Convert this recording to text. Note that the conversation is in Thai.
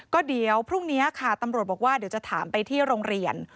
ก็เดี๋ยวพรุ่งนี้ค่ะตำรวจบอกว่าเดี๋ยวจะถามไปที่โรงเรียน